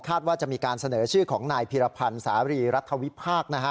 คาดว่าจะมีการเสนอชื่อของนายพิรพันธ์สาวิริรัฐวิพาค